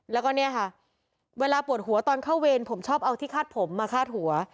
แล้วก็เนี่ยค่ะเวลาปวดหัวตอนเข้าเวรผมชอบเอาที่คาดผมมาคาดหัว